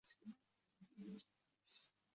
Rangi roʼyim aftodahol, tomchi qon yoʼq.